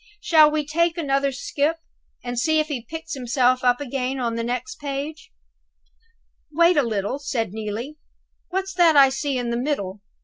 Shall we take another skip, and see if he picks himself up again on the next page?" "Wait a little," said Neelie; "what's that I see in the middle?"